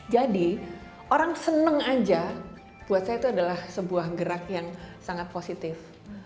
jadi orang seneng aja buat saya itu adalah sebuah gerak yang sangat positif